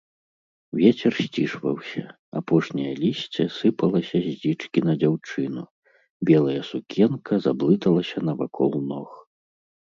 Вецер сцішваўся, апошняе лісце сыпалася з дзічкі на дзяўчыну, белая сукенка заблыталася навакол ног.